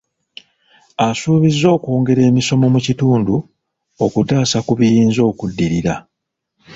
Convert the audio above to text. Asuubiza okwongera emisomo mu kitundu, okutaasa ku biyinza okuddirira.